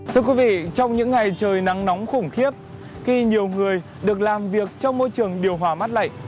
thưa quý vị trong những ngày trời nắng nóng khủng khiếp khi nhiều người được làm việc trong môi trường điều hòa mắt lạnh